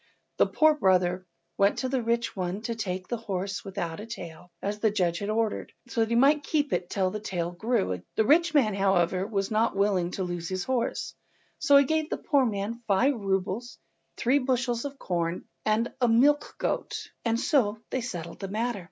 The poor brother went to the rich one to take the horse without a tail, as the judge had ordered, so that he might keep it till the tail grew. The rich man, however, was not willing to lose his horse, so he gave the poor man five roubles, three bushels of corn, and a milch goat, and so they settled the matter.